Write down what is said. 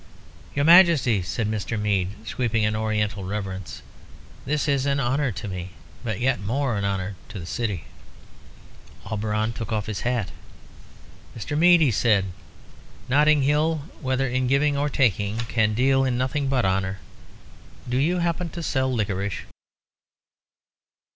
"Your Majesty," said Mr. Mead, sweeping an Oriental reverence. "This is an honour to me, but yet more an honour to the city." Auberon took off his hat. "Mr. Mead," he said, "Notting Hill, whether in giving or taking, can deal in nothing but honour. Do you happen to sell liquorice?"